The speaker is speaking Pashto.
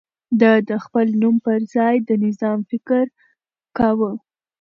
ده د خپل نوم پر ځای د نظام فکر کاوه.